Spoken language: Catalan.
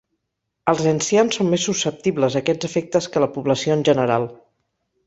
Els ancians són més susceptibles a aquests efectes que la població en general.